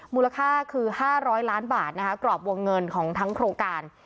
มูลค่าคือ๕๐๐ล้านบาทนะคะกรอบวงเงินของทั้งโครงการ